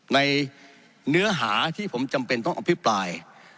ในเนื้อหาที่ผมจำเป็นต้องอภิปราย